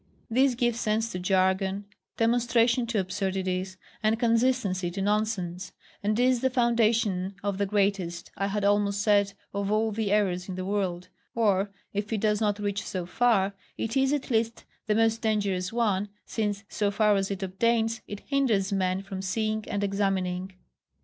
This gives sense to jargon, demonstration to absurdities, and consistency to nonsense, and is the foundation of the greatest, I had almost said of all the errors in the world; or, if it does not reach so far, it is at least the most dangerous one, since, so far as it obtains, it hinders men from seeing and examining.